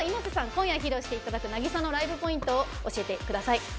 今夜、披露していただく「Ｎａｇｉｓａ」のライブポイントを教えてください。